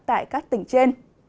tại các tỉnh trên